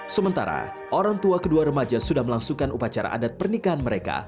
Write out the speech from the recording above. sementara orang tua kedua remaja sudah melangsungkan upacara adat pernikahan mereka